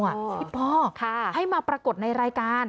ฮิปโปรให้มาปรากฏในรายการ